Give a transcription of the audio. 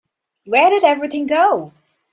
Where did everything go?